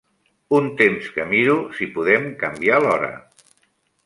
Un temps que miro si podem canviar l'hora.